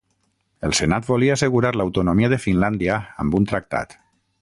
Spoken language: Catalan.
El Senat volia assegurar l'autonomia de Finlàndia amb un tractat.